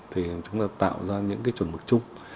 thì chúng ta tạo ra những cái chuẩn mực chung